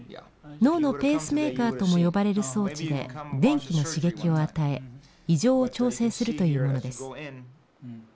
脳のペースメーカーとも呼ばれる装置で電気の刺激を与え異常を調整するというものです。